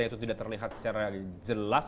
itu tidak terlihat secara jelas